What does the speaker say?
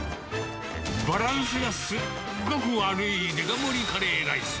バランスがすっごく悪いデカ盛りカレーライス。